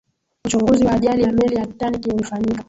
uchunguzi wa ajali ya meli ya titanic ulifanyika